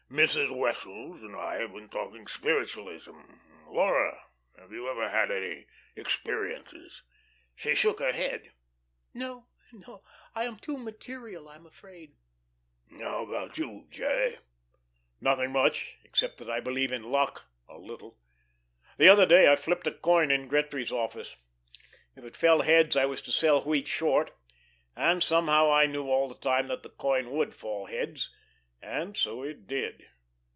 Mrs. Wessels and I have been talking spiritualism. Laura, have you ever had any 'experiences'?" She shook her head. "No, no. I am too material, I am afraid." "How about you, 'J.'?" "Nothing much, except that I believe in 'luck' a little. The other day I flipped a coin in Gretry's office. If it fell heads I was to sell wheat short, and somehow I knew all the time that the coin would fall heads and so it did."